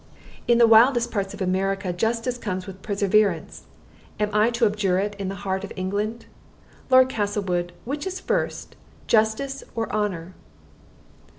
In the wildest parts of America justice comes with perseverance: am I to abjure it in the heart of England? Lord Castlewood, which is first justice or honor?"